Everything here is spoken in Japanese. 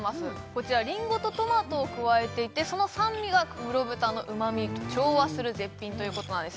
こちらりんごとトマトを加えていてその酸味が黒豚のうまみに調和する絶品ということなんです